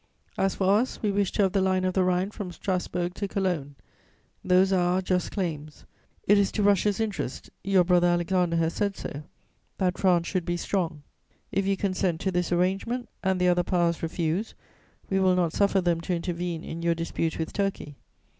As for us, we wish to have the line of the Rhine from Strasburg to Cologne. Those are our just claims. It is to Russia's interest (your brother Alexander has said so) that France should be strong. If you consent to this arrangement and the other Powers refuse, we will not suffer them to intervene in your dispute with Turkey.